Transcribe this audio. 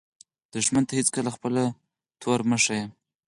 دښمن ته هېڅکله خپله توره مه ښایه